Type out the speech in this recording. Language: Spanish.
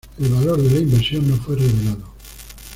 El valor de la inversión no fue revelado.